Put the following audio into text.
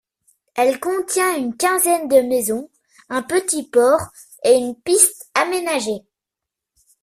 Elle contient une quinzaine de maisons, un petit port et une piste aménagée.